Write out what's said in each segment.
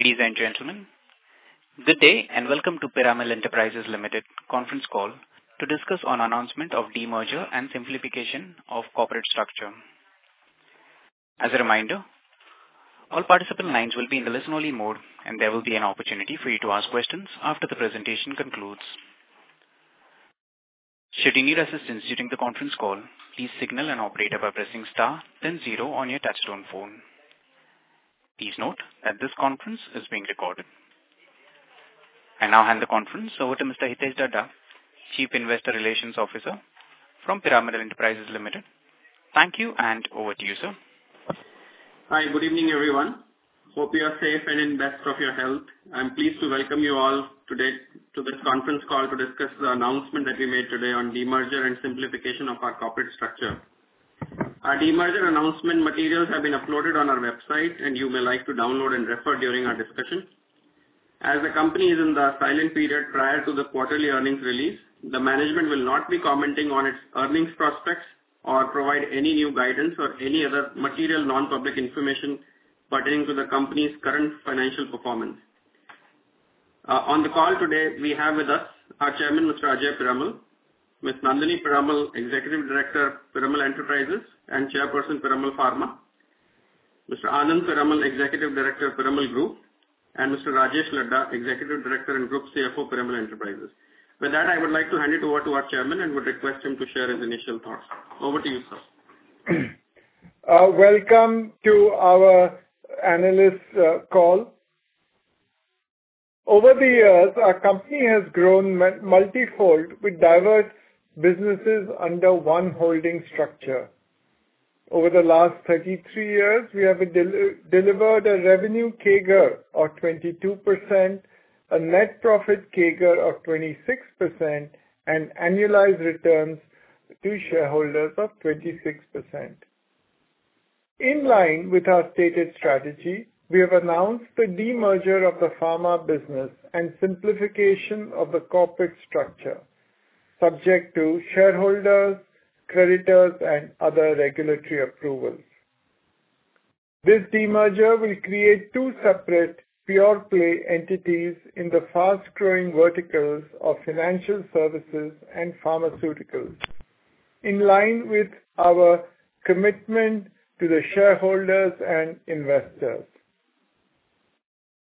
Ladies and gentlemen, good day and welcome to Piramal Enterprises Limited conference call to discuss on announcement of demerger and simplification of corporate structure. As a reminder, all participant lines will be in the listen only mode, and there will be an opportunity for you to ask questions after the presentation concludes. Should you need assistance during the conference call, please signal an operator by pressing star then zero on your touchtone phone. Please note that this conference is being recorded. I now hand the conference over to Mr. Hitesh Dhaddha, Chief Investor Relations Officer from Piramal Enterprises Limited. Thank you and over to you, sir. Hi. Good evening, everyone. Hope you're safe and in best of your health. I'm pleased to welcome you all today to this conference call to discuss the announcement that we made today on demerger and simplification of our corporate structure. Our demerger announcement materials have been uploaded on our website and you may like to download and refer during our discussion. As the company is in the silent period prior to the quarterly earnings release, the management will not be commenting on its earnings prospects or provide any new guidance or any other material non-public information pertaining to the company's current financial performance. On the call today, we have with us our Chairman, Mr. Ajay Piramal, Ms. Nandini Piramal, Executive Director, Piramal Enterprises and Chairperson, Piramal Pharma, Mr. Anand Piramal, Executive Director of Piramal Group, and Mr. Rajesh Laddha, Executive Director and Group CFO, Piramal Enterprises. With that, I would like to hand it over to our chairman and would request him to share his initial thoughts. Over to you, sir. Welcome to our analyst call. Over the years, our company has grown multifold with diverse businesses under one holding structure. Over the last 33 years, we have delivered a revenue CAGR of 22%, a net profit CAGR of 26%, and annualized returns to shareholders of 26%. In line with our stated strategy, we have announced the demerger of the pharma business and simplification of the corporate structure, subject to shareholders, creditors, and other regulatory approvals. This demerger will create two separate pure-play entities in the fast-growing verticals of financial services and pharmaceuticals. In line with our commitment to the shareholders and investors.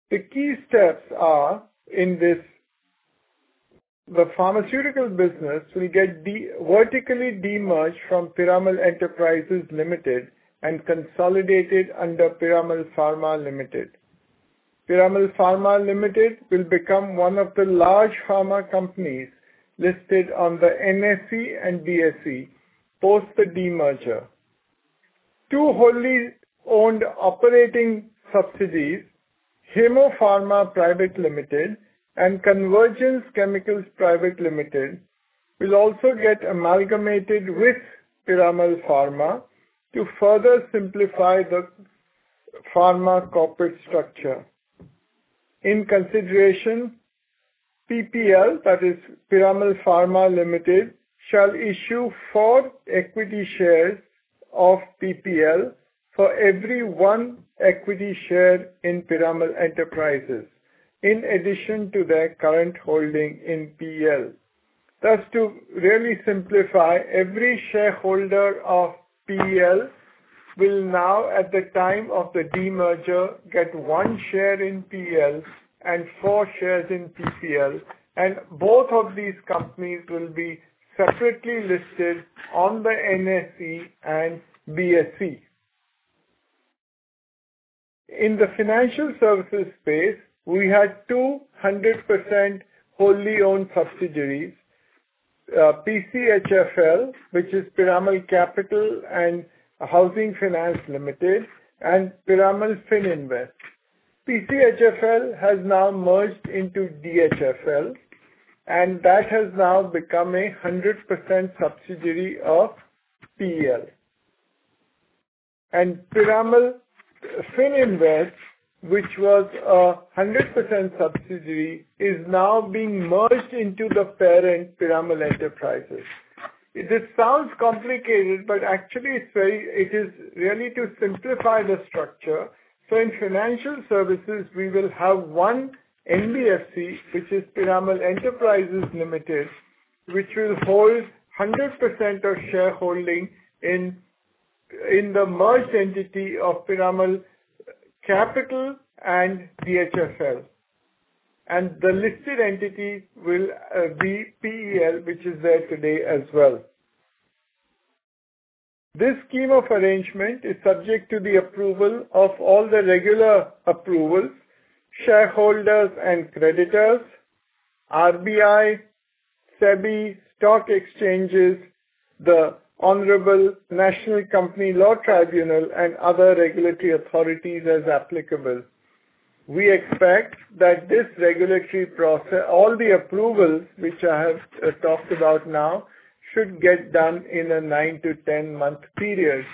The key steps are, in this, the pharmaceuticals business will get vertically demerged from Piramal Enterprises Limited and consolidated under Piramal Pharma Limited. Piramal Pharma Limited will become one of the large pharma companies listed on the NSE and BSE post the demerger. Two wholly owned operating subsidiaries, Hemmo Pharmaceuticals Private Limited and Convergence Chemicals Private Limited, will also get amalgamated with Piramal Pharma to further simplify the pharma corporate structure. In consideration, PPL, that is Piramal Pharma Limited, shall issue four equity shares of PPL for every one equity share in Piramal Enterprises, in addition to their current holding in PEL. To really simplify, every shareholder of PEL will now, at the time of the demerger, get one share in PEL and four shares in PPL, and both of these companies will be separately listed on the NSE and BSE. In the financial services space, we had 200% wholly owned subsidiaries, PCHFL, which is Piramal Capital and Housing Finance Limited, and Piramal Fininvest. PCHFL has now merged into DHFL, and that has now become 100% subsidiary of PEL. Piramal Fininvest, which was 100% subsidiary, is now being merged into the parent, Piramal Enterprises. It sounds complicated, but actually it is really to simplify the structure. In financial services, we will have one NBFC, which is Piramal Enterprises Limited, which will hold 100% of shareholding in the merged entity of Piramal Capital and DHFL. The listed entity will be PEL, which is there today as well. This scheme of arrangement is subject to the approval of all the regular approvals, shareholders and creditors, RBI, SEBI, stock exchanges, the Honorable National Company Law Tribunal, and other regulatory authorities as applicable. We expect that this regulatory process, all the approvals which I have talked about now, should get done in a 9-10 month period.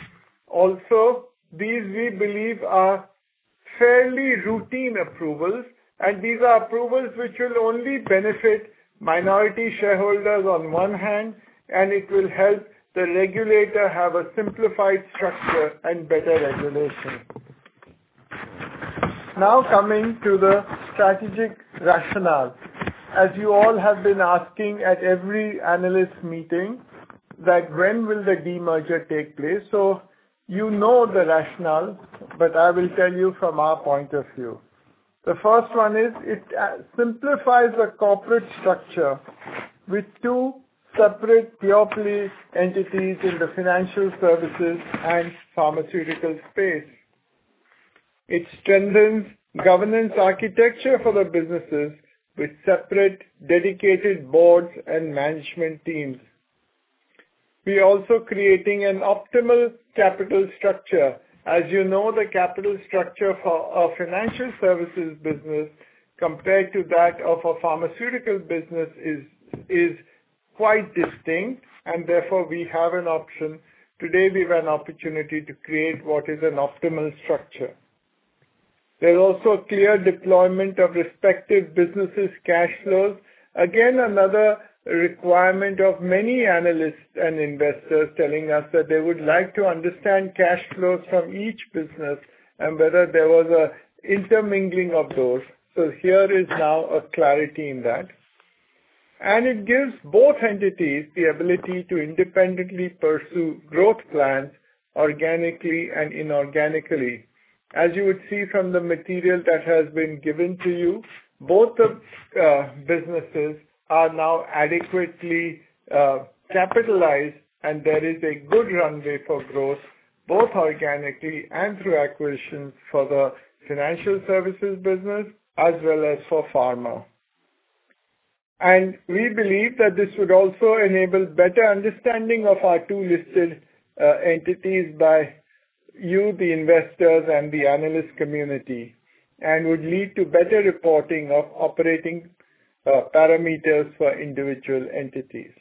These we believe are fairly routine approvals. These are approvals which will only benefit minority shareholders on one hand. It will help the regulator have a simplified structure and better regulation. Coming to the strategic rationale. As you all have been asking at every analyst meeting that when will the demerger take place. You know the rationale. I will tell you from our point of view. The first one is it simplifies the corporate structure with two separate publicly entities in the financial services and pharmaceutical space. It strengthens governance architecture for the businesses with separate dedicated boards and management teams. We're also creating an optimal capital structure. As you know, the capital structure for our financial services business compared to that of a pharmaceutical business is quite distinct. Therefore, we have an option. Today, we have an opportunity to create what is an optimal structure. There is also clear deployment of respective businesses' cash flows. Again, another requirement of many analysts and investors telling us that they would like to understand cash flows from each business and whether there was an intermingling of those. Here is now a clarity in that. It gives both entities the ability to independently pursue growth plans organically and inorganically. As you would see from the material that has been given to you, both of businesses are now adequately capitalized and there is a good runway for growth, both organically and through acquisitions for the financial services business, as well as for pharma. We believe that this would also enable better understanding of our two listed entities by you, the investors, and the analyst community, and would lead to better reporting of operating parameters for individual entities.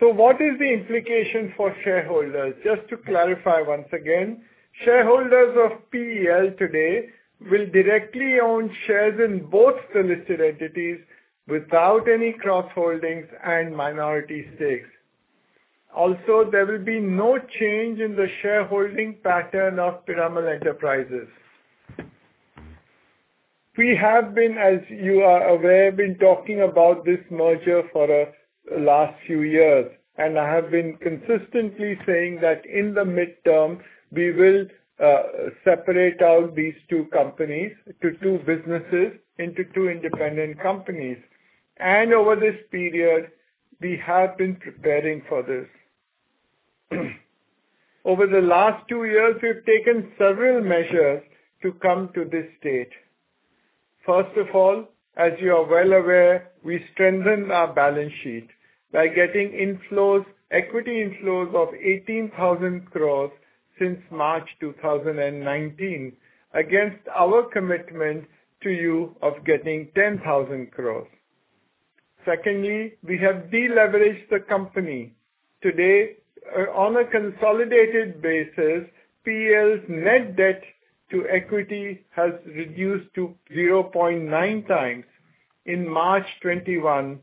What is the implication for shareholders? Just to clarify once again, shareholders of PEL today will directly own shares in both the listed entities without any cross-holdings and minority stakes. There will be no change in the shareholding pattern of Piramal Enterprises. We have been, as you are aware, talking about this merger for the last few years, and I have been consistently saying that in the midterm, we will separate out these two companies to two businesses into two independent companies. Over this period, we have been preparing for this. Over the last two years, we've taken several measures to come to this stage. First of all, as you are well aware, we strengthened our balance sheet by getting inflows, equity inflows of 18,000 crores since March 2019 against our commitment to you of getting 10,000 crores. Secondly, we have deleveraged the company. Today, on a consolidated basis, PEL's net debt to equity has reduced to 0.9x in March 2021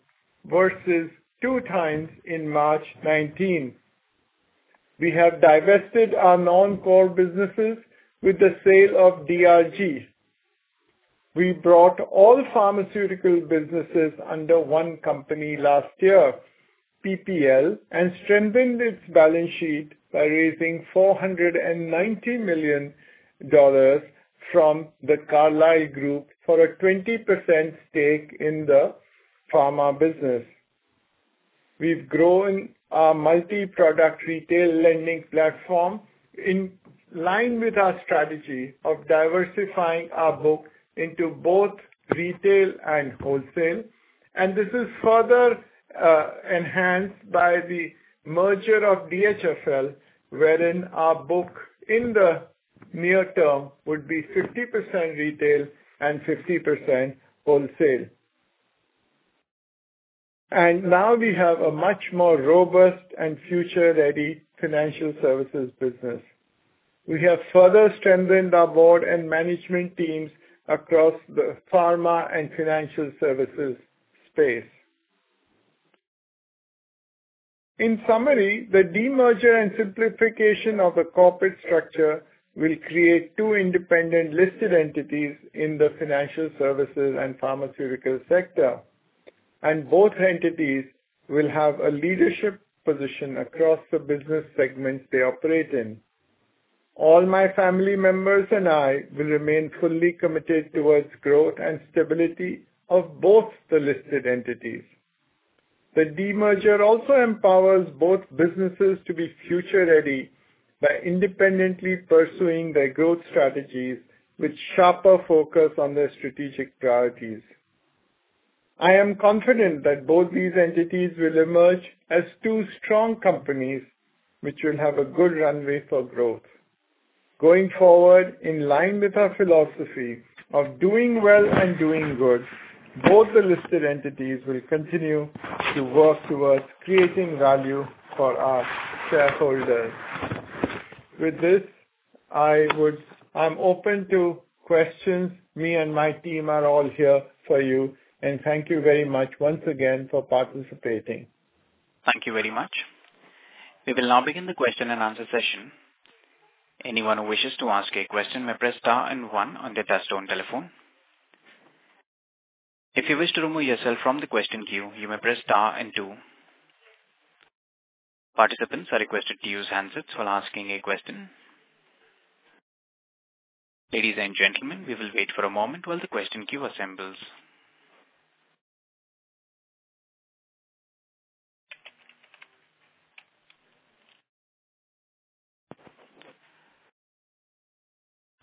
versus 2x in March 2019. We have divested our non-core businesses with the sale of DRG. We brought all pharmaceutical businesses under one company last year, PPL, and strengthened its balance sheet by raising $490 million from the Carlyle Group for a 20% stake in the pharma business. We've grown our multi-product retail lending platform in line with our strategy of diversifying our book into both retail and wholesale, and this is further enhanced by the merger of DHFL, wherein our book in the near term would be 50% retail and 50% wholesale. Now we have a much more robust and future-ready financial services business. We have further strengthened our board and management teams across the pharma and financial services space. In summary, the demerger and simplification of the corporate structure will create two independent listed entities in the financial services and pharmaceutical sector, and both entities will have a leadership position across the business segments they operate in. All my family members and I will remain fully committed towards growth and stability of both the listed entities. The demerger also empowers both businesses to be future-ready by independently pursuing their growth strategies with sharper focus on their strategic priorities. I am confident that both these entities will emerge as two strong companies which will have a good runway for growth. Going forward, in line with our philosophy of doing well and doing good, both the listed entities will continue to work towards creating value for our shareholders. With this, I'm open to questions. Me and my team are all here for you, and thank you very much once again for participating. Thank you very much. We will now begin the question and answer session. Anyone who wishes to ask a question may press star one on their telephone. If you wish to remove yourself from the question queue, you may press star two. Participants are requested to use headsets when asking a question. Ladies and gentlemen, we will wait for a moment while the question queue assembles.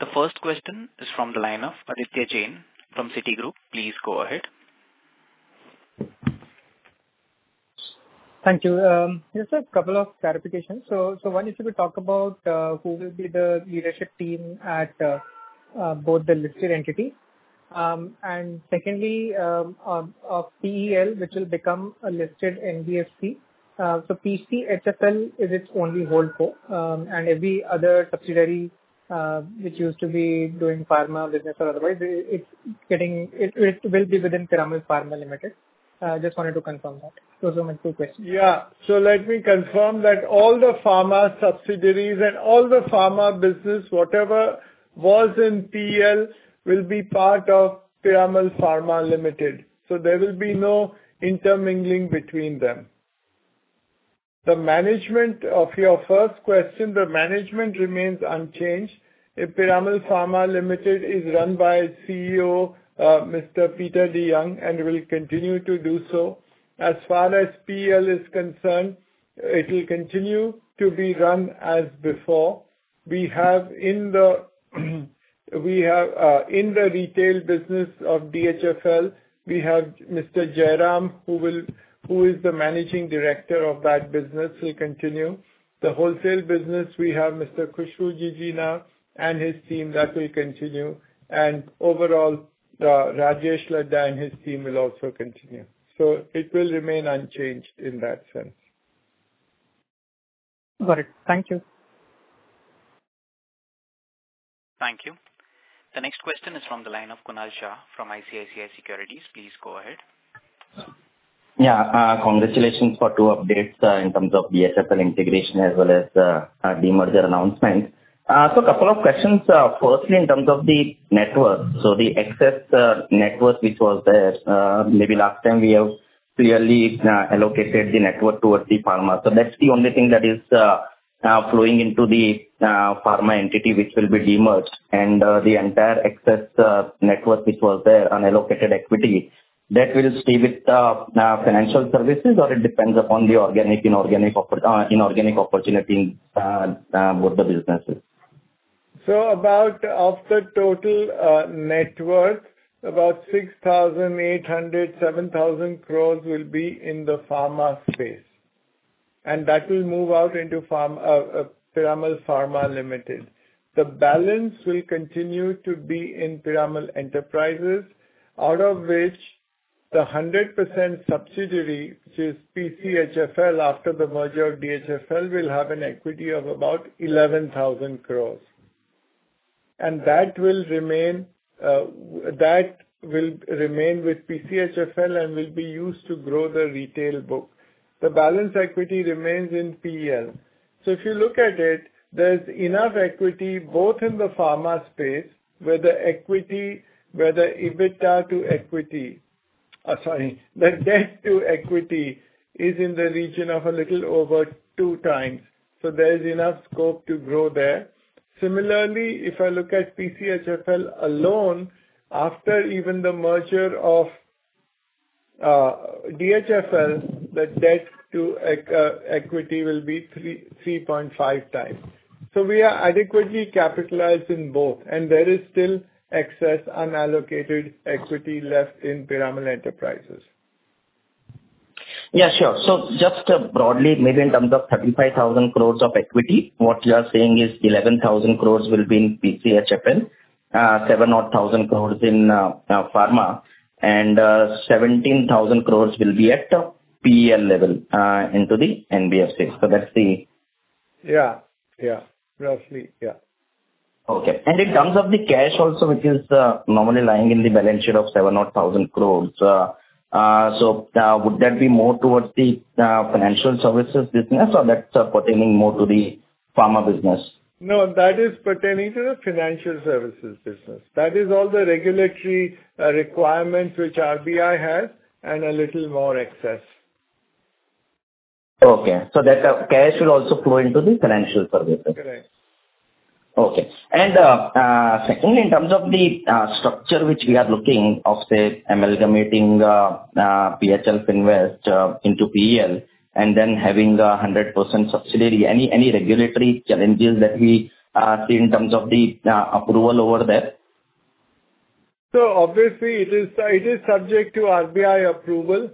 The first question is from the line of Aditya Jain from Citigroup. Please go ahead. Thank you. Just a couple of clarifications. One is, if you talk about who will be the leadership team at both the listed entity. Secondly, PEL, which will become a listed NBFC. PCHFL is its only holdco. Every other subsidiary, which used to be doing pharma business or otherwise, it will be within Piramal Pharma Limited. Just wanted to confirm that. Those are my two questions. Let me confirm that all the pharma subsidiaries and all the pharma business, whatever was in PEL, will be part of Piramal Pharma Limited. There will be no intermingling between them. The management of your first question, the management remains unchanged. Piramal Pharma Limited is run by CEO, Mr. Peter DeYoung, and will continue to do so. As far as PEL is concerned, it will continue to be run as before. In the retail business of DHFL, we have Mr. Jairam, who is the managing director of that business, he'll continue. The wholesale business, we have Mr. Khushru Jijina and his team, that will continue. Overall, Rajesh Laddha and his team will also continue. It will remain unchanged in that sense. Got it. Thank you. Thank you. The next question is from the line of Kunal Shah from ICICI Securities. Please go ahead. Yeah. Congratulations for two updates in terms of DHFL integration as well as the demerger announcement. A couple of questions. Firstly, in terms of the network, the excess network which was there, maybe last time we have clearly allocated the network towards the pharma. That's the only thing that is now flowing into the pharma entity, which will be demerged and the entire excess network which was there, unallocated equity, that will stay with the financial services or it depends upon the inorganic opportunity with the businesses. Of the total net worth, about 6,800, 7,000 crore will be in the pharma space, and that will move out into Piramal Pharma Limited. The balance will continue to be in Piramal Enterprises, out of which the 100% subsidiary, which is PCHFL, after the merger of DHFL, will have an equity of about 11,000 crore. That will remain with PCHFL and will be used to grow the retail book. The balance equity remains in PEL. If you look at it, there is enough equity both in the pharma space, where the debt-to-equity is in the region of a little over 2x. There is enough scope to grow there. Similarly, if I look at PCHFL alone, after even the merger of DHFL, the debt-to-equity will be 3.5x. We are adequately capitalized in both, and there is still excess unallocated equity left in Piramal Enterprises. Yeah, sure. Just broadly, maybe in terms of 35,000 crores of equity, what you are saying is 11,000 crores will be in PCHFL, 7 odd thousand crores in Pharma, 17,000 crores will be at PEL level into the NBFC. Yeah. Roughly, yeah. Okay. In terms of the cash also, which is normally lying in the balance sheet of 7,000 crores. Would that be more towards the financial services business or that's pertaining more to the pharma business? No, that is pertaining to the financial services business. That is all the regulatory requirements which RBI has and a little more excess. Okay. That cash will also flow into the Financial Services. Correct. Okay. Secondly, in terms of the structure which we are looking of, say, amalgamating PHL Fininvest into PEL and then having the 100% subsidiary, any regulatory challenges that we see in terms of the approval over there? Obviously it is subject to RBI approval.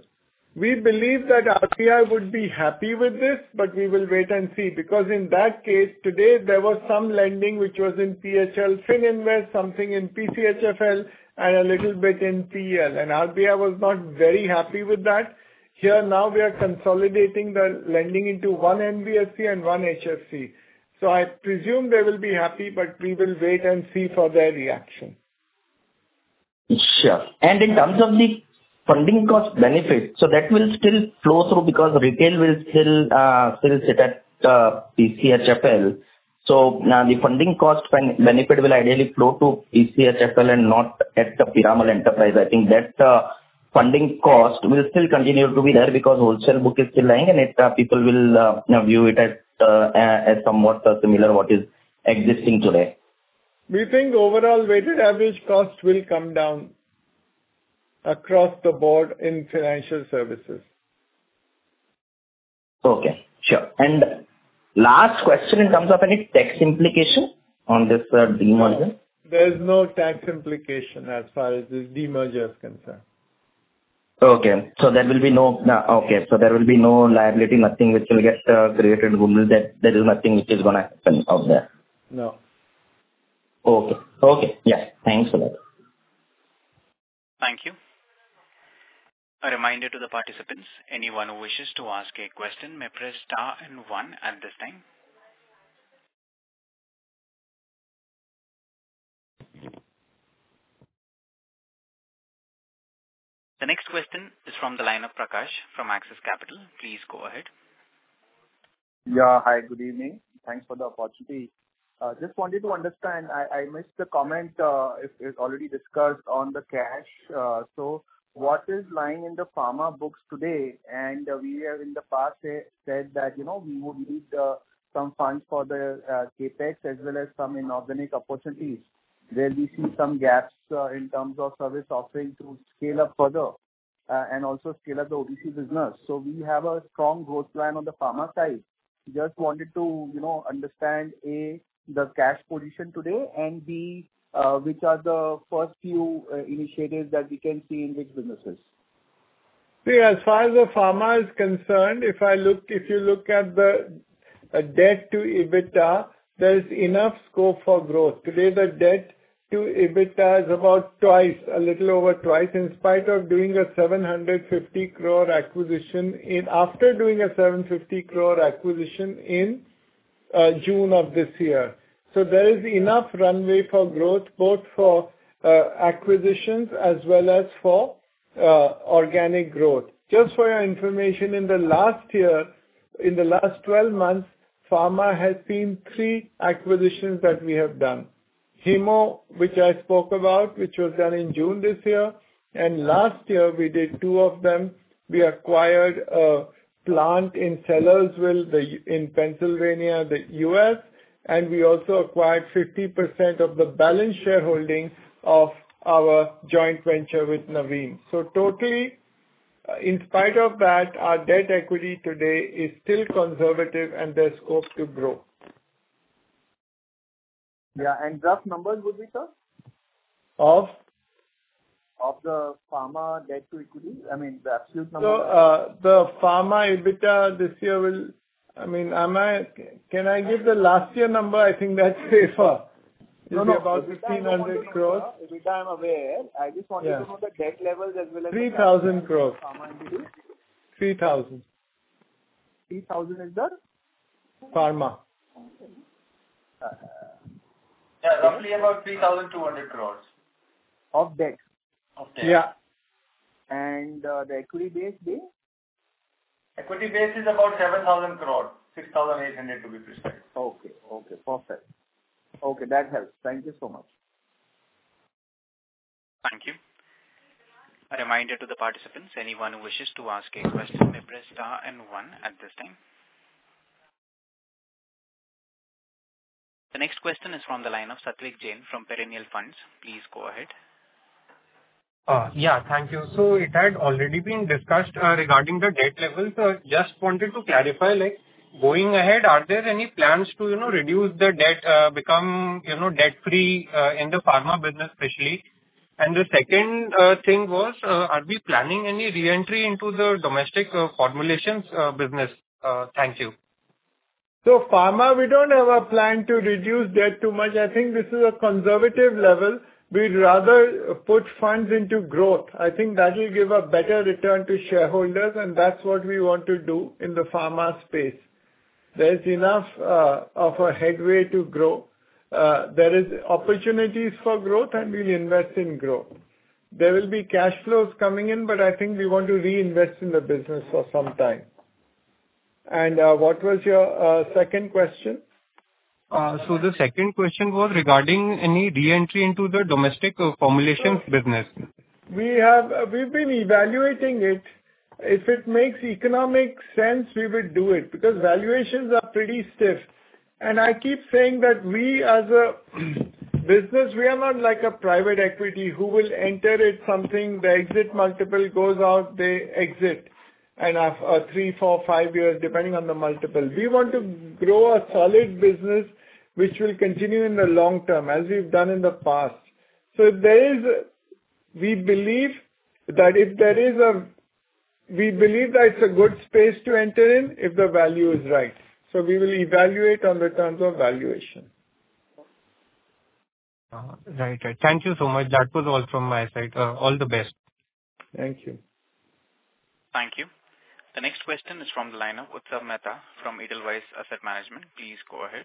We believe that RBI would be happy with this, but we will wait and see. In that case, today there was some lending which was in PHL Fininvest, something in PCHFL and a little bit in PEL, and RBI was not very happy with that. Here now we are consolidating the lending into one NBFC and one HFC. I presume they will be happy, but we will wait and see for their reaction. Sure. In terms of the funding cost benefit, that will still flow through because retail will still sit at PCHFL. Now the funding cost benefit will ideally flow to PCHFL and not at the Piramal Enterprises. I think that funding cost will still continue to be there because wholesale book is still lying and people will now view it as somewhat similar what is existing today. We think overall weighted average cost will come down across the board in financial services. Okay, sure. Last question, in terms of any tax implication on this demerger? There is no tax implication as far as this demerger is concerned. Okay. There will be no liability, nothing which will get created in the world that there is nothing which is going to happen out there. No. Okay. Yeah. Thanks a lot. Thank you. A reminder to the participants, anyone who wishes to ask a question may press star and one at this time. The next question is from the line of Prakash from Axis Capital. Please go ahead. Yeah. Hi, good evening. Thanks for the opportunity. Just wanted to understand, I missed the comment, if it is already discussed on the cash. What is lying in the Pharma books today, and we have in the past said that, we would need some funds for the CapEx as well as some inorganic opportunities, where we see some gaps in terms of service offering to scale up further and also scale up the OTC business. We have a strong growth plan on the Pharma side. Just wanted to understand, A, the cash position today, and B, which are the first few initiatives that we can see in these businesses? As far as the pharma is concerned, if you look at the debt to EBITDA, there's enough scope for growth. Today, the debt to EBITDA is about 2x, a little over 2x, in spite of doing an 750 crore acquisition, and after doing an 750 crore acquisition in June of this year. There is enough runway for growth, both for acquisitions as well as for organic growth. Just for your information, in the last year, in the last 12 months, pharma has been three acquisitions that we have done. Hemmo, which I spoke about, which was done in June this year, and last year, we did 2 of them. We acquired a plant in Sellersville, in Pennsylvania, the U.S., and we also acquired 50% of the balance shareholding of our joint venture with Navin. Totally, in spite of that, our debt equity today is still conservative and there's scope to grow. Yeah, and rough numbers would be, sir? Of? Of the pharma debt to equity. I mean, the absolute number. The pharma EBITDA this year Can I give the last year number? I think that's safer. No, no. It's about 1,600 crores. EBITDA I'm aware. I just wanted to know the debt levels as well as. 3,000 crores. Pharma EBITDA. 3,000. 3,000 is the? Pharma. Yeah, roughly about 3,200 crores. Of debt. Yeah. The equity base be? Equity base is about 7,000 crores. 6,800 to be precise. Okay. Perfect. Okay, that helps. Thank you so much. Thank you. A reminder to the participants, anyone who wishes to ask a question may press star and one at this time. The next question is from the line of Satwik Jain from RH Perennial Fund. Please go ahead. Yeah, thank you. It had already been discussed regarding the debt level. Just wanted to clarify, like, going ahead, are there any plans to reduce the debt, become debt-free in the pharma business especially? The second thing was, are we planning any re-entry into the domestic formulations business? Thank you. Pharma, we don't have a plan to reduce debt too much. I think this is a conservative level. We'd rather put funds into growth. I think that will give a better return to shareholders, and that's what we want to do in the pharma space. There's enough of a headway to grow. There is opportunities for growth, and we'll invest in growth. There will be cash flows coming in, but I think we want to reinvest in the business for some time. What was your second question? The second question was regarding any re-entry into the domestic formulations business. We've been evaluating it. If it makes economic sense, we will do it, because valuations are pretty stiff. I keep saying that we as a business, we are not like a private equity who will enter it something, the exit multiple goes out, they exit in a 3, 4, 5 years, depending on the multiple. We want to grow a solid business which will continue in the long term, as we've done in the past. We believe that it's a good space to enter in if the value is right. We will evaluate on the terms of valuation. Right. Thank you so much. That was all from my side. All the best. Thank you. Thank you. The next question is from the line of Utsav Mehta from Edelweiss Asset Management. Please go ahead.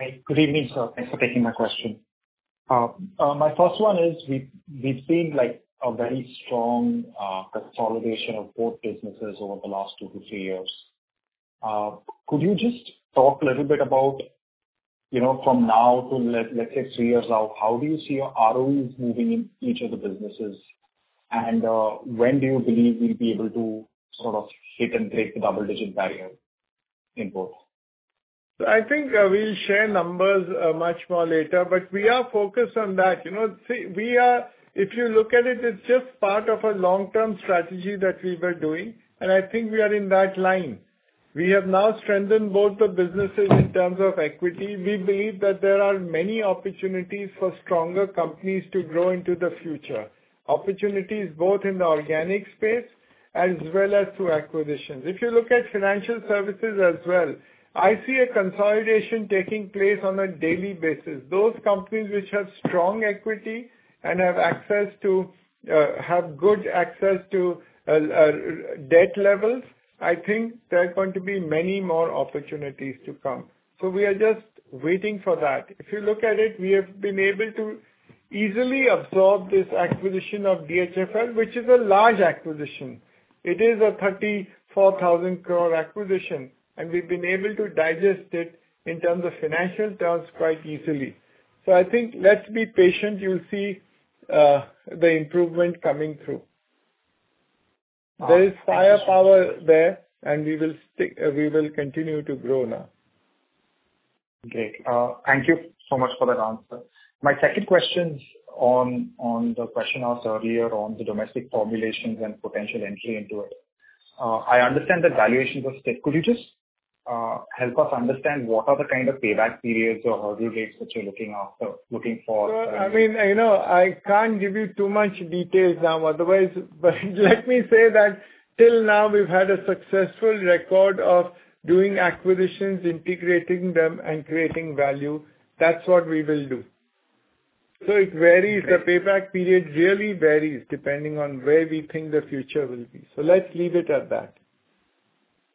Hey, good evening, sir. Thanks for taking my question. My first one is, we've seen a very strong consolidation of both businesses over the last two to three years. Could you just talk a little bit about from now to, let's say, three years out, how do you see your ROEs moving in each of the businesses, and when do you believe we'll be able to sort of hit and take the double-digit barrier in both? I think we'll share numbers much more later, but we are focused on that. If you look at it's just part of a long-term strategy that we were doing, and I think we are in that line. We have now strengthened both the businesses in terms of equity. We believe that there are many opportunities for stronger companies to grow into the future. Opportunities both in the organic space as well as through acquisitions. If you look at financial services as well, I see a consolidation taking place on a daily basis. Those companies which have strong equity and have good access to debt levels, I think there are going to be many more opportunities to come. We are just waiting for that. If you look at it, we have been able to easily absorb this acquisition of DHFL, which is a large acquisition. It is an 34,000 crore acquisition. We've been able to digest it in terms of financial terms quite easily. I think, let's be patient. You'll see the improvement coming through. Thank you, sir. There is firepower there, and we will continue to grow now. Great. Thank you so much for that answer. My second question is on the question asked earlier on the domestic formulations and potential entry into it. I understand the valuation was set. Could you just help us understand what are the kind of payback periods or hurdle rates that you're looking after, looking for? I can't give you too much details now otherwise, but let me say that till now, we've had a successful record of doing acquisitions, integrating them, and creating value. That's what we will do. It varies. The payback period really varies depending on where we think the future will be. Let's leave it at that.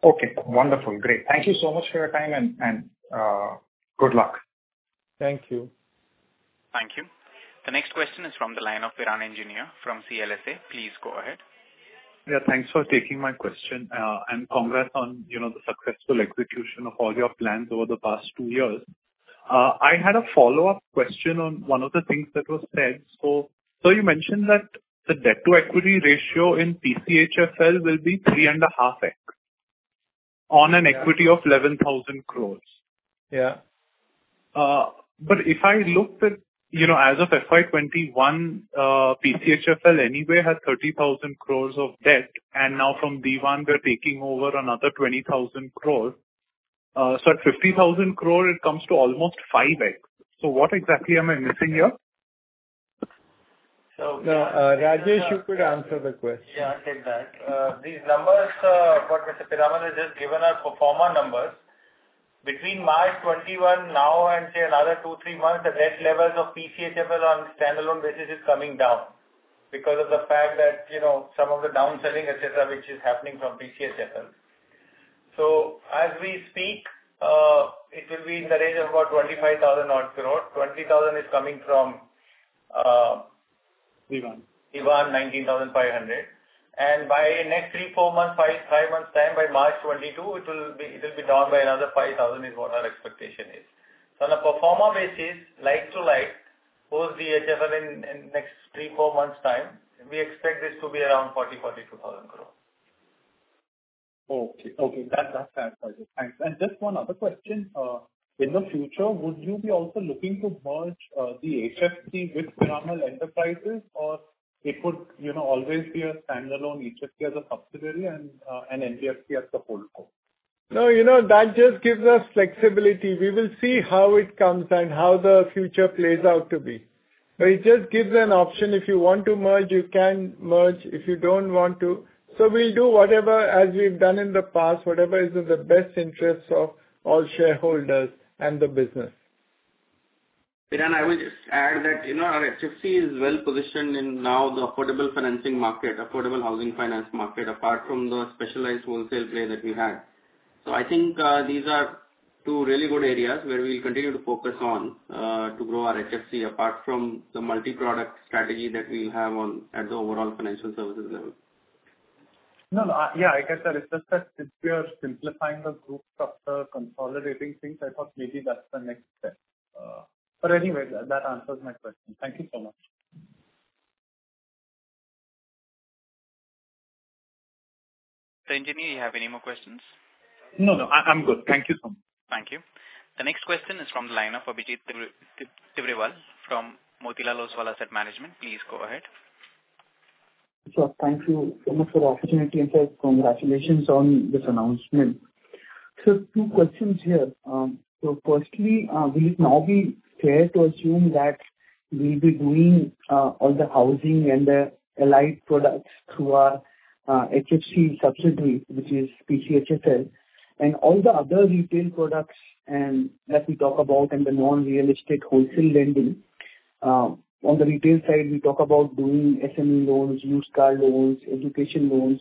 Okay, wonderful. Great. Thank you so much for your time, and good luck. Thank you. Thank you. The next question is from the line of Piran Engineer from CLSA. Please go ahead. Yeah, thanks for taking my question. Congrats on the successful execution of all your plans over the past two years. I had a follow-up question on one of the things that was said. You mentioned that the debt-to-equity ratio in PCHFL will be 3.5x on an equity of 11,000 crores. Yeah. If I looked at as of FY21, PCHFL anyway had 30,000 crores of debt, and now from DHFL, we're taking over another 20,000 crores. At 50,000 crores, it comes to almost 5x. What exactly am I missing here? Rajesh, you could answer the question. Yeah, I'll take that. These numbers what Mr. Piramal has just given are pro forma numbers. Between March 2021 now and, say, another 2, 3 months, the debt levels of PCHFL on a standalone basis is coming down because of the fact that some of the down-selling, et cetera, which is happening from PCHFL. As we speak, it will be in the range of about 25,000 odd crore. 20,000 is coming from. Dewan. Dewan 19,500. By next three, four months, five months' time, by March 2022, it will be down by another 5,000 is what our expectation is. On a pro forma basis, like to like, post DHFL in next three, four months' time, we expect this to be around 40,000 crore, 42,000 crore. Okay. That answers it. Thanks. Just one other question. In the future, would you be also looking to merge the HFC with Piramal Enterprises or it would always be a standalone HFC as a subsidiary and NBFC as the holdco? No, that just gives us flexibility. We will see how it comes and how the future plays out to be. It just gives an option, if you want to merge, you can merge. We'll do whatever as we've done in the past, whatever is in the best interest of all shareholders and the business. Piramal, I would just add that our HFC is well-positioned in now the affordable financing market, affordable housing finance market, apart from the specialized wholesale play that we had. I think these are two really good areas where we'll continue to focus on to grow our HFC apart from the multi-product strategy that we have at the overall financial services level. Yeah, I guess that it's just that since we are simplifying the group structure, consolidating things, I thought maybe that's the next step. Anyway, that answers my question. Thank you so much. Engineer, you have any more questions? No, I'm good. Thank you. Thank you. The next question is from the line of Abhijit Tibrewal from Motilal Oswal Asset Management. Please go ahead. Sir, thank you so much for the opportunity, and sir, congratulations on this announcement. Two questions here. Firstly, will it now be fair to assume that we'll be doing all the housing and the allied products through our HFC subsidiary, which is PCHFL, and all the other retail products that we talk about and the non-real estate wholesale lending. On the retail side, we talk about doing SME loans, used car loans, education loans,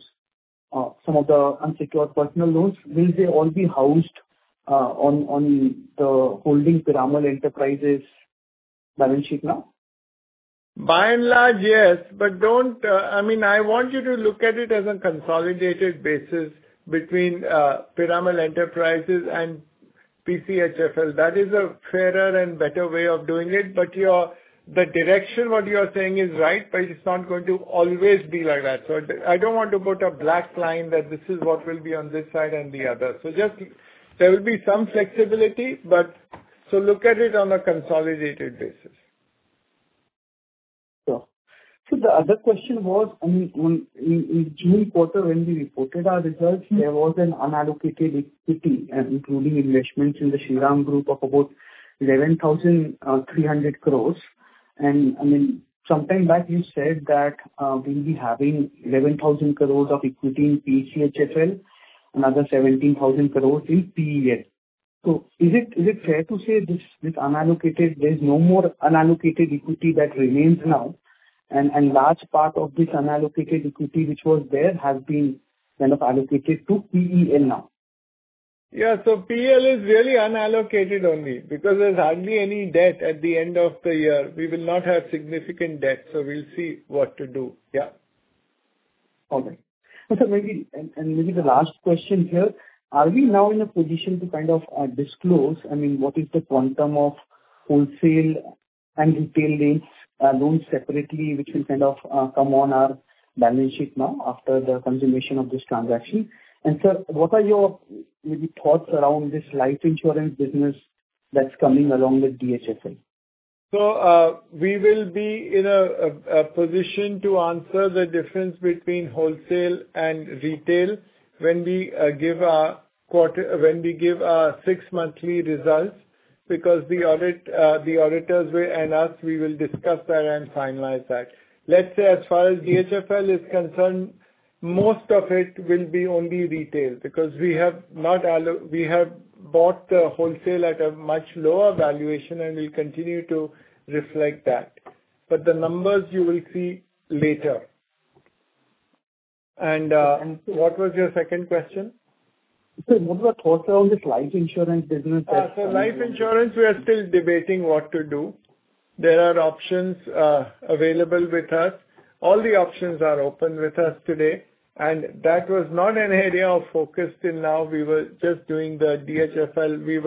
some of the unsecured personal loans. Will they all be housed on the holding Piramal Enterprises balance sheet now? By and large, yes. I want you to look at it as a consolidated basis between Piramal Enterprises and PCHFL. That is a fairer and better way of doing it. The direction, what you are saying is right, but it's not going to always be like that. I don't want to put a black line that this is what will be on this side and the other. There will be some flexibility. Look at it on a consolidated basis. Sure. The other question was, in June quarter, when we reported our results, there was an unallocated equity, including investments in the Shriram Group of about 11,300 crores. Sometime back you said that we'll be having 11,000 crores of equity in PCHFL, another 17,000 crores in PEL. Is it fair to say there is no more unallocated equity that remains now and large part of this unallocated equity, which was there, has been kind of allocated to PEL now? Yeah. PEL is really unallocated only because there's hardly any debt at the end of the year. We will not have significant debt, so we'll see what to do. Yeah. All right. Maybe the last question here, are we now in a position to kind of disclose what is the quantum of wholesale and retail loans separately, which will kind of come on our balance sheet now after the consummation of this transaction? Sir, what are your thoughts around this life insurance business that's coming along with DHFL? We will be in a position to answer the difference between wholesale and retail when we give our six-monthly results because the auditors and us, we will discuss that and finalize that. As far as DHFL is concerned, most of it will be only retail because we have bought the wholesale at a much lower valuation, and we'll continue to reflect that. But the numbers you will see later. What was your second question? Sir, what are your thoughts around this life insurance business? Life insurance, we are still debating what to do. There are options available with us. All the options are open with us today, and that was not an area of focus till now. We were just doing the DHFL. We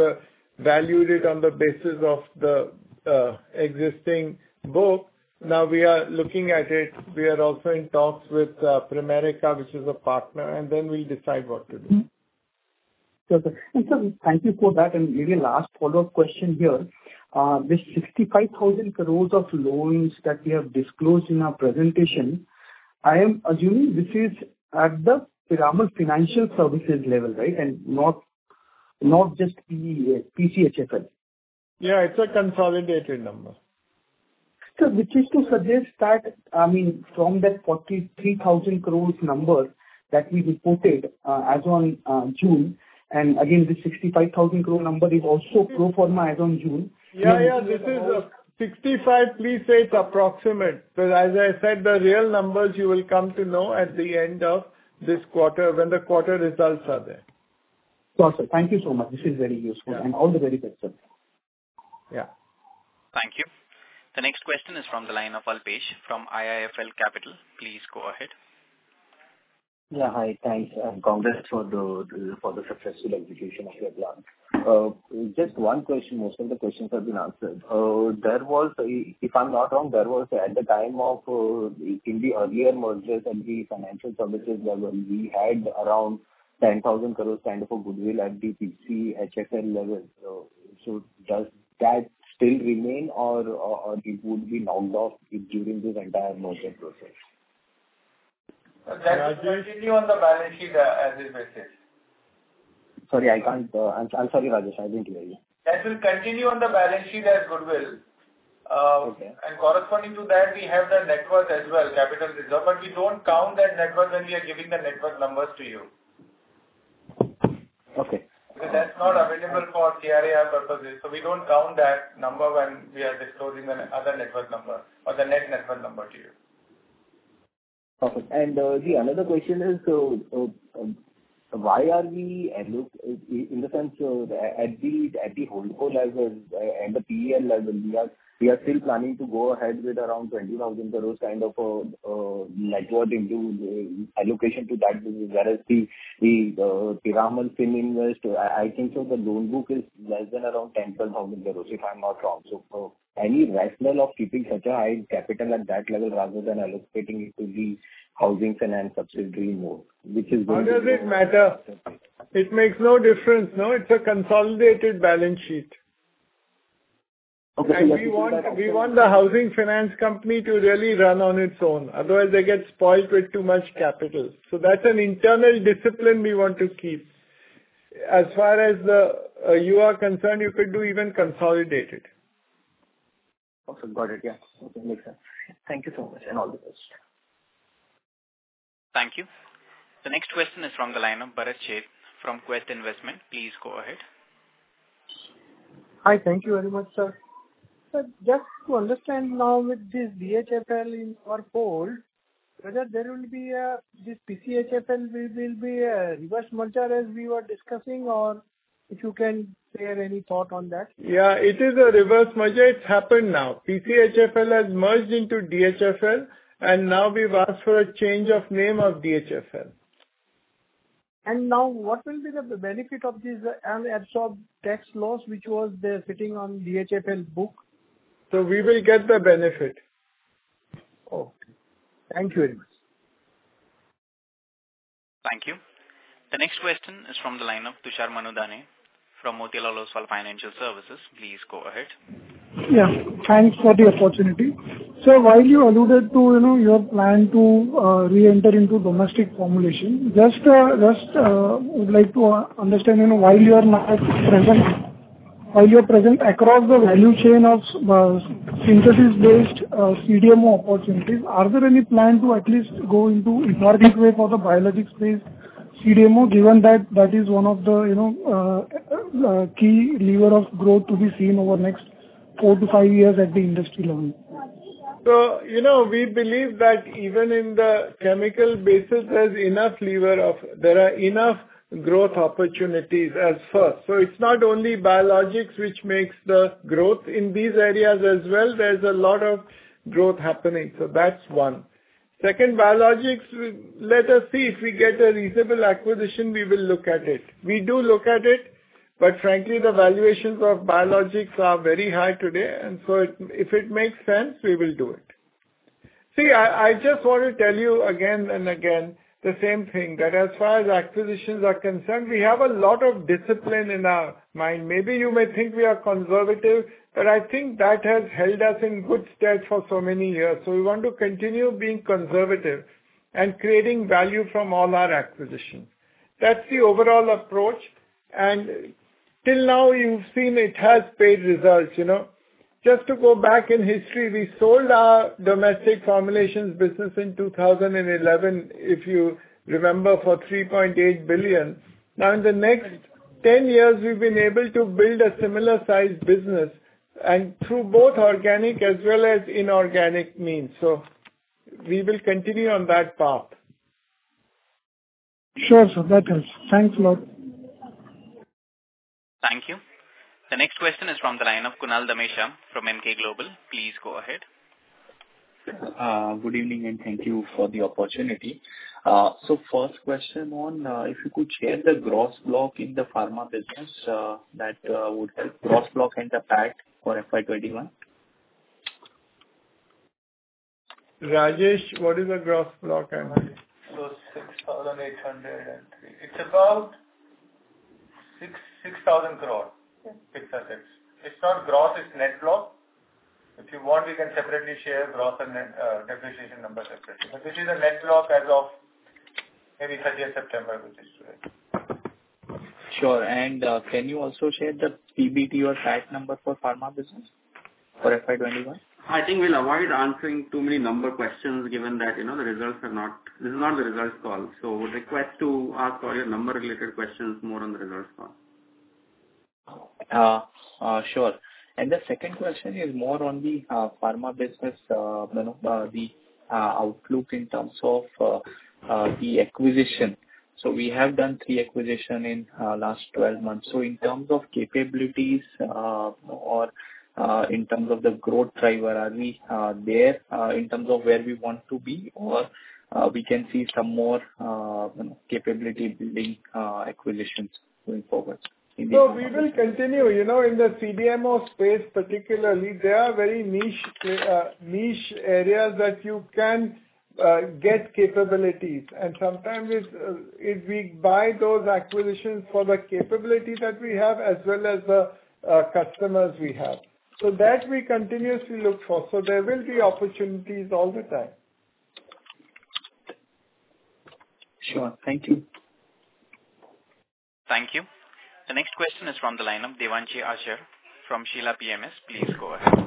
valued it on the basis of the existing book. Now we are looking at it. We are also in talks with Pramerica, which is a partner, and then we'll decide what to do. Sir, thank you for that. Maybe last follow-up question here. This 65,000 crore of loans that we have disclosed in our presentation, I am assuming this is at the Piramal Financial Services level, right, not just PCHFL? Yeah, it's a consolidated number. Sir, which is to suggest that from that 43,000 crores number that we reported as on June, and again, this 65,000 crore number is also pro forma as on June. Yeah. 65, please say it's approximate, because as I said, the real numbers you will come to know at the end of this quarter when the quarter results are there. Awesome. Thank you so much. This is very useful. All the very best, sir. Yeah. Thank you. The next question is from the line of Alpesh from IIFL Capital. Please go ahead. Yeah, hi. Thanks, Gauri, for the successful execution of your launch. Just one question. Most of the questions have been answered. If I'm not wrong, at the time of in the earlier mergers, at the financial services level, we had around 10,000 crore kind of a goodwill at the PCHFL level. Does that still remain or it would be knocked off during this entire merger process? That will continue on the balance sheet as is, Mr. Alpesh. Sorry, Ajay, I didn't hear you. That will continue on the balance sheet as goodwill. Okay. Corresponding to that, we have the net worth as well, capital reserve. We don't count that net worth when we are giving the net worth numbers to you. Okay. Because that's not available for CAR purposes. We don't count that number when we are disclosing the other net worth number to you. Perfect. Another question is, at the holdco level and the PEL level, we are still planning to go ahead with around 20,000 crores kind of a net worth into allocation to that business. Whereas the Piramal Fininvest, I think so the loan book is less than around 10,000-12,000 crores, if I'm not wrong. Any rationale of keeping such a high capital at that level rather than allocating it to the housing finance subsidiary more? How does it matter? It makes no difference. No, it's a consolidated balance sheet. Okay. We want the housing finance company to really run on its own. Otherwise, they get spoiled with too much capital. That's an internal discipline we want to keep. As far as you are concerned, you could do even consolidated. Awesome. Got it. Yeah. Makes sense. Thank you so much, and all the best. Thank you. The next question is from the line of Bharat Sheth from Quest Investment. Please go ahead. Hi. Thank you very much, sir. Sir, just to understand now with this DHFL in our fold, whether this PCHFL will be a reverse merger as we were discussing, or if you can share any thought on that? It is a reverse merger. It's happened now. PCHFL has merged into DHFL. Now we've asked for a change of name of DHFL. Now, what will be the benefit of this unabsorbed tax loss which was there sitting on DHFL book? We will get the benefit. Okay. Thank you very much. Thank you. The next question is from the line of Tushar Manudhane from Motilal Oswal Financial Services. Please go ahead. Yeah. Thanks for the opportunity. Sir, while you alluded to your plan to re-enter into domestic formulation, just would like to understand, while you are present across the value chain of synthesis-based CDMO opportunities, are there any plans to at least go into inorganic way for the biologic space CDMO, given that that is one of the key lever of growth to be seen over next four to five years at the industry level? We believe that even in the chemical business, there are enough growth opportunities as such. It's not only biologics which makes the growth in these areas as well. There's a lot of growth happening. That's one. Second, biologics, let us see. If we get a reasonable acquisition, we will look at it. We do look at it, but frankly, the valuations of biologics are very high today, and so if it makes sense, we will do it. I just want to tell you again and again, the same thing, that as far as acquisitions are concerned, we have a lot of discipline in our mind. Maybe you may think we are conservative, but I think that has held us in good stead for so many years. We want to continue being conservative and creating value from all our acquisitions. That's the overall approach. Till now, you've seen it has paid results. Just to go back in history, we sold our domestic formulations business in 2011, if you remember, for 3.8 billion. Now, in the next 10 years, we've been able to build a similar-sized business and through both organic as well as inorganic means. We will continue on that path. Sure, sir. That helps. Thanks a lot. Thank you. The next question is from the line of Kunal Dhamesha from Emkay Global. Please go ahead. Good evening, thank you for the opportunity. First question on, if you could share the gross block in the pharma business, that would help. Gross block and the PAT for FY 2021. Rajesh, what is the gross block? 6,803, it's about 6,000 crore. It's not gross, it's net block. If you want, we can separately share gross and depreciation numbers separately. This is the net block as of maybe 30th September, which is today. Sure. can you also share the PBT or PAT number for pharma business for FY 2021? I think we'll avoid answering too many number questions given that this is not the results call. Would request to ask all your number-related questions more on the results call. Sure. The second question is more on the pharma business, the outlook in terms of the acquisition. We have done three acquisition in last 12 months. In terms of capabilities, or in terms of the growth driver, are we there in terms of where we want to be, or we can see some more capability building acquisitions going forward? We will continue. In the CDMO space particularly, there are very niche areas that you can get capabilities. Sometimes if we buy those acquisitions for the capabilities that we have as well as the customers we have. That we continuously look for. There will be opportunities all the time. Sure. Thank you. Thank you. The next question is from the line of Devanshi Asher from Sheela PMS. Please go ahead.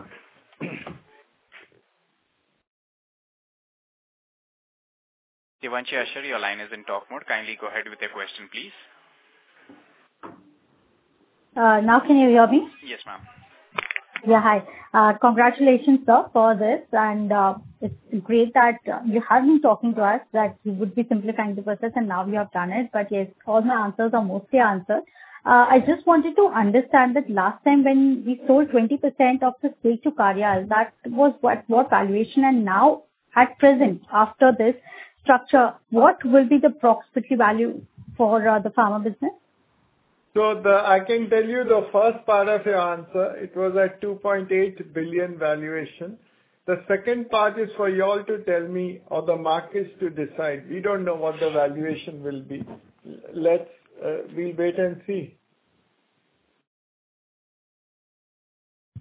Devanshi Asher, your line is in talk mode. Kindly go ahead with your question, please. Now can you hear me? Yes, ma'am. Yeah. Hi. Congratulations, sir, for this. It's great that you have been talking to us that you would be simplifying the process and now you have done it. Yes, all my answers are mostly answered. I just wanted to understand that last time when we sold 20% of the stake to Carlyle Group, that was what valuation and now at present, after this structure, what will be the proximity value for the pharma business? I can tell you the first part of your answer. It was at 2.8 billion valuation. The second part is for you all to tell me or the markets to decide. We don't know what the valuation will be. We will wait and see.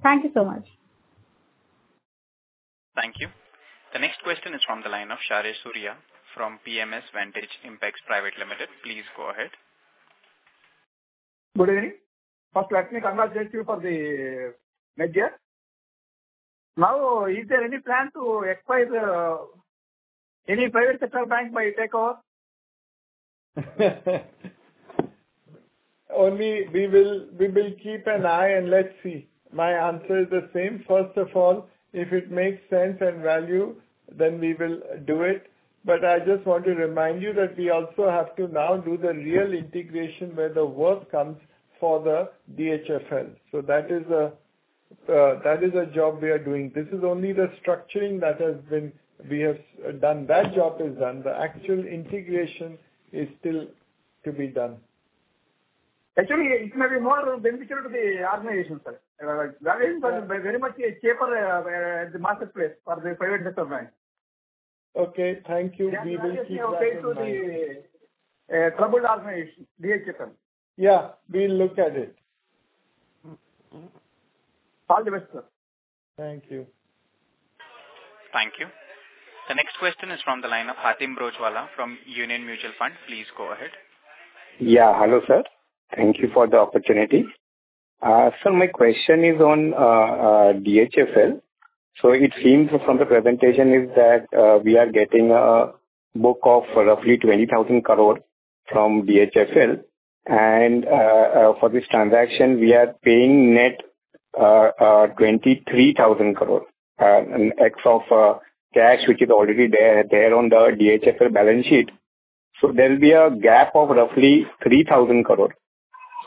Thank you so much. Thank you. The next question is from the line of Shailesh Surya from PMS Vantage Impex Private Limited. Please go ahead. Good evening. First, let me congratulate you for the merger. Is there any plan to acquire any private sector bank by takeover? Only we will keep an eye, and let's see. My answer is the same. First of all, if it makes sense and value, then we will do it. I just want to remind you that we also have to now do the real integration where the work comes for the DHFL. That is a job we are doing. This is only the structuring that we have done. That job is done. The actual integration is still to be done. Actually, it may be more beneficial to the organization, sir. Very much cheaper at the marketplace for the private sector bank. Okay, thank you. We will keep that in mind. That is beneficial to the troubled organization, DHFL. Yeah, we'll look at it. All the best, sir. Thank you. Thank you. The next question is from the line of Hatim Broachwala from Union Mutual Fund. Please go ahead. Hello, sir. Thank you for the opportunity. Sir, my question is on DHFL. It seems from the presentation is that we are getting a book of roughly 20,000 crores from DHFL. For this transaction, we are paying net 23,000 crores and ex of cash, which is already there on the DHFL balance sheet. There will be a gap of roughly 3,000 crores.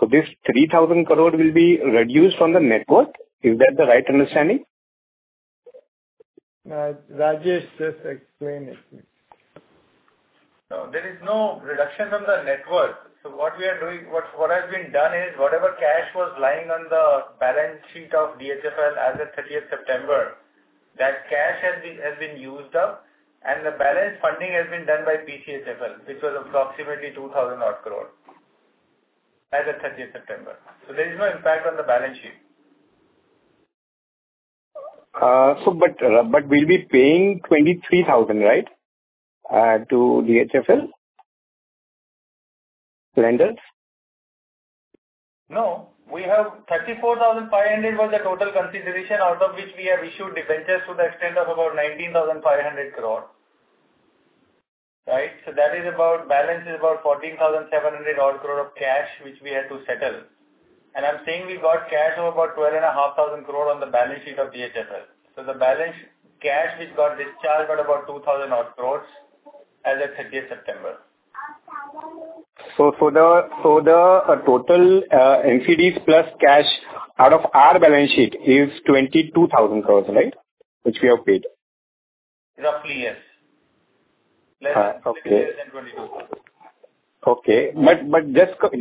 This 3,000 crores will be reduced from the net worth. Is that the right understanding? Rajesh, just explain it. No. There is no reduction on the net worth. What has been done is, whatever cash was lying on the balance sheet of DHFL as of 30th September, that cash has been used up, and the balance funding has been done by PCHFL, which was approximately 2,000 odd crore as of 30th September. There is no impact on the balance sheet. We'll be paying 23,000, right, to DHFL lenders? No. 34,500 was the total consideration out of which we have issued debentures to the extent of about 19,500 crore. Right? Balance is about 14,700 odd crore of cash, which we had to settle. I'm saying we got cash of about 12,500 crore on the balance sheet of DHFL. The balance cash which got discharged was about 2,000 odd crore as of 30th September. The total NCDs plus cash out of our balance sheet is 22,000 crores, right, which we have paid? Roughly, yes. Less than INR 22,000. Okay.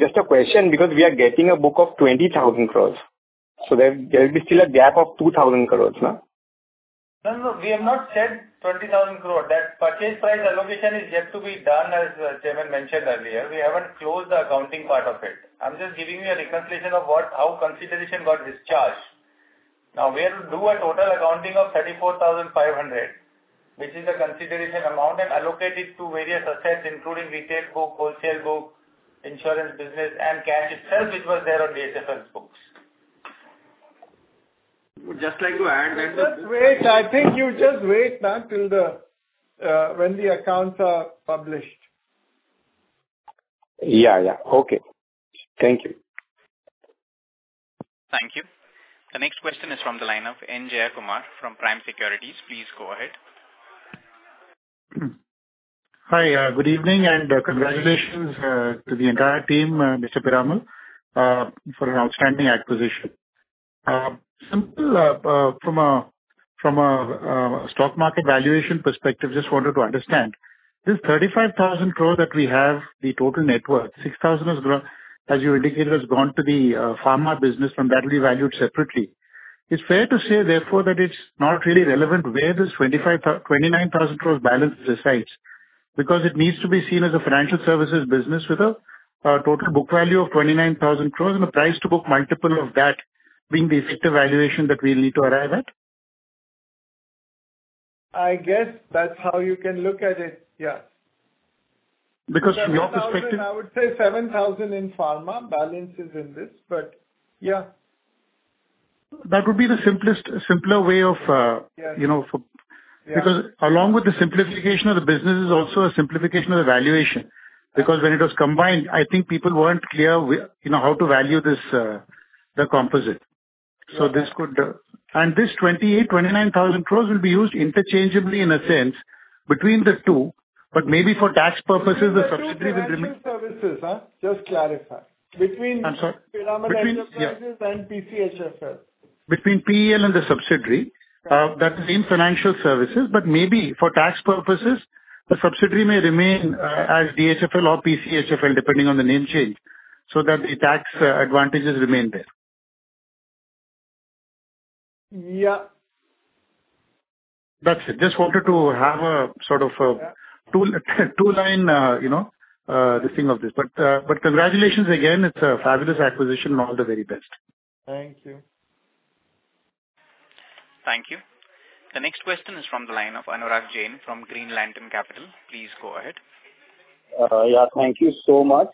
Just a question, because we are getting a book of 20,000 crores. There will be still a gap of 2,000 crores, no? No, no. We have not said 20,000 crore. That purchase price allocation is yet to be done, as Chairman mentioned earlier. We haven't closed the accounting part of it. I'm just giving you a reconciliation of how consideration got discharged. We have to do a total accounting of 34,500, which is the consideration amount and allocate it to various assets, including retail book, wholesale book, insurance business, and cash itself, which was there on DHFL's books. Would just like to add. Just wait. I think you just wait now till when the accounts are published. Yeah. Okay. Thank you. Thank you. The next question is from the line of N. Jayakumar from Prime Securities. Please go ahead. Hi. Good evening, and congratulations to the entire team, Mr. Piramal, for an outstanding acquisition. Simple from a stock market valuation perspective, just wanted to understand. This 35,000 crore that we have, the total net worth. 6,000, as you indicated, has gone to the pharma business, and that'll be valued separately. It's fair to say, therefore, that it's not really relevant where this 29,000 crores balance resides because it needs to be seen as a financial services business with a total book value of 29,000 crores and a price to book multiple of that being the effective valuation that we'll need to arrive at? I guess that's how you can look at it, yeah. Because from your perspective. I would say 7,000 in Pharma, balance is in this. Yeah. That would be the simpler way of. Yes Along with the simplification of the business is also a simplification of the valuation. When it was combined, I think people weren't clear how to value the composite. Yeah. This INR 28,000 to 29,000 crores will be used interchangeably in a sense between the two. Maybe for tax purposes, the subsidiary will- Between the two financial services, huh? Just clarify. I'm sorry. Between Piramal Enterprises and PCHFL. Between PEL and the subsidiary. That's the same financial services, but maybe for tax purposes, the subsidiary may remain as DHFL or PCHFL, depending on the name change, so that the tax advantages remain there. Yeah. That's it. Just wanted to have a sort of a two-line, this thing of this. Congratulations again. It's a fabulous acquisition. All the very best. Thank you. Thank you. The next question is from the line of Anurag Jain from Green Lantern Capital. Please go ahead. Yeah, thank you so much.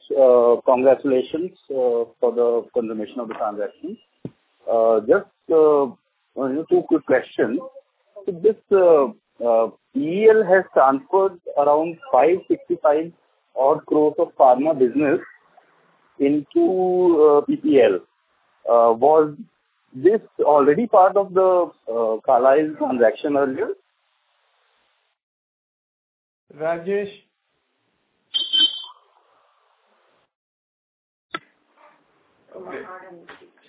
Congratulations for the confirmation of the transaction. Just one or two quick questions. This, PEL has transferred around 565 odd crores of pharma business into PPL. Was this already part of the Carlyle transaction earlier? Rajesh? Okay.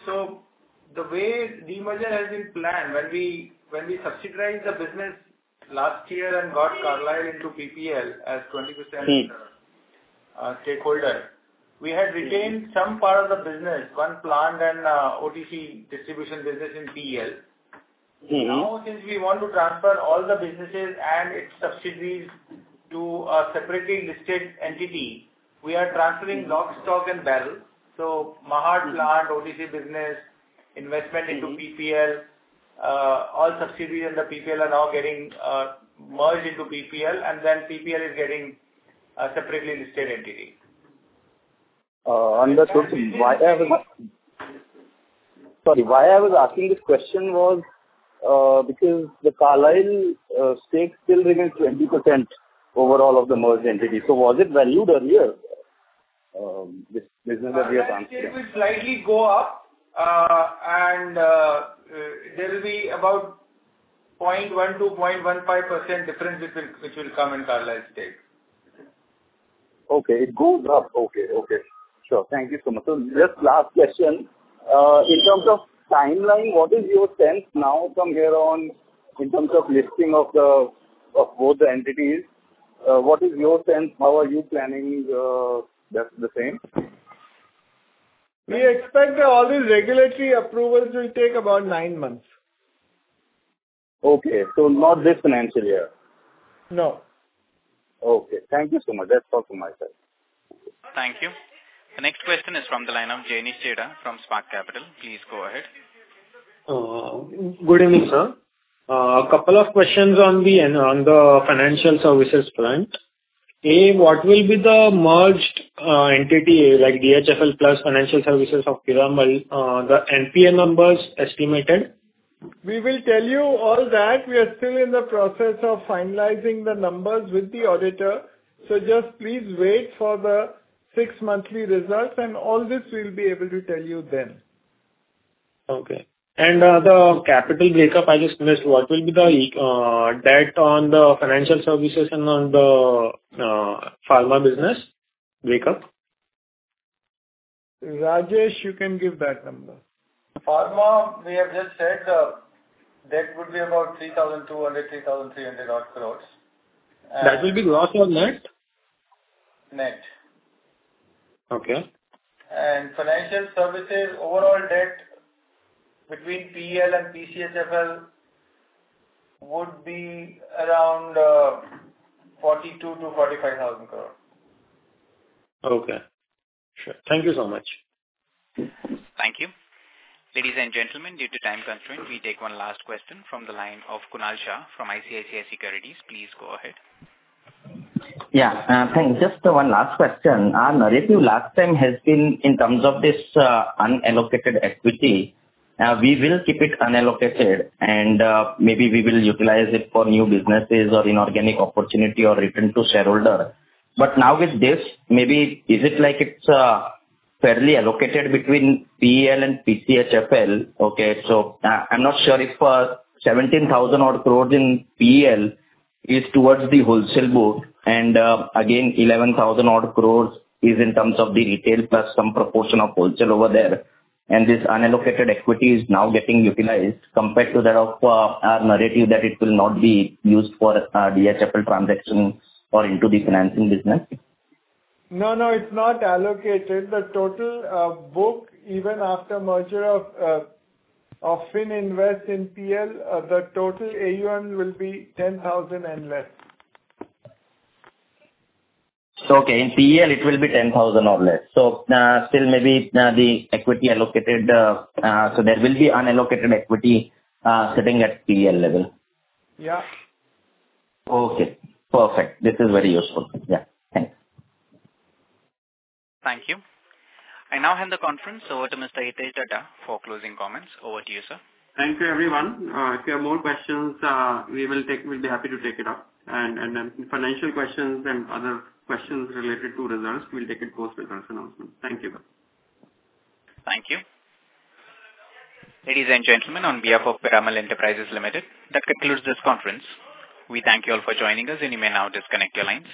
The way demerger has been planned, when we subsidiarized the business last year and got Carlyle into PPL as 20%-stakeholder, we had retained some part of the business, one plant and OTC distribution business in PEL. Since we want to transfer all the businesses and its subsidiaries to a separately listed entity, we are transferring lock, stock and barrel. Mahad plant, OTC business, investment into PPL, all subsidiaries under PPL are now getting merged into PPL and then PPL is getting a separately listed entity. Understood. Sorry, why I was asking this question was, because the Carlyle stake still remains 20% overall of the merged entity. Was it valued earlier, this business that we have transferred? It will slightly go up, and there will be about 0.1% to 0.15% difference which will come in Carlyle stake. Okay. It goes up. Okay. Sure. Thank you so much. Just last question. In terms of timeline, what is your sense now from here on in terms of listing of both the entities? What is your sense? How are you planning the same? We expect all the regulatory approvals will take about nine months. Okay, not this financial year? No. Okay. Thank you so much. That's all from my side. Thank you. The next question is from the line of [Jenny Cherian] from Spark Capital. Please go ahead. Good evening, sir. A couple of questions on the financial services front. A, what will be the merged entity, like DHFL plus financial services of Piramal, the NPM numbers estimated? We will tell you all that. We are still in the process of finalizing the numbers with the auditor. Just please wait for the six-monthly results and all this we'll be able to tell you then. Okay. The capital breakup, I just missed. What will be the debt on the financial services and on the pharma business breakup? Rajesh, you can give that number. Pharma, we have just said, debt would be about 3,200-3,300 odd crores. That will be gross or net? Net. Okay. Financial services overall debt between PEL and PCHFL would be around 42 crore to 45,000 crore. Okay, sure. Thank you so much. Thank you. Ladies and gentlemen, due to time constraint, we take one last question from the line of Kunal Shah from ICICI Securities. Please go ahead. Yeah. Thanks. Just one last question. Our narrative last time has been in terms of this unallocated equity. We will keep it unallocated and maybe we will utilize it for new businesses or inorganic opportunity or return to shareholder. Now with this, maybe is it like it's fairly allocated between PEL and PCHFL? Okay, I'm not sure if 17,000 odd crores in PEL is towards the wholesale book and again, 11,000 odd crores is in terms of the retail plus some proportion of wholesale over there. This unallocated equity is now getting utilized compared to that of our narrative that it will not be used for DHFL transaction or into the financing business. No, it's not allocated. The total book, even after merger of Fininvest in PEL, the total AUM will be 10,000 and less. Okay, in PEL it will be 10,000 or less. Still maybe the equity allocated, there will be unallocated equity sitting at PEL level. Yeah. Okay, perfect. This is very useful. Yeah. Thanks. Thank you. I now hand the conference over to Mr. Hitesh Dhaddha for closing comments. Over to you, sir. Thank you, everyone. If you have more questions, we'll be happy to take it up. Then financial questions and other questions related to results, we'll take it post-results announcement. Thank you. Thank you. Ladies and gentlemen, on behalf of Piramal Enterprises Limited, that concludes this conference. We thank you all for joining us and you may now disconnect your lines.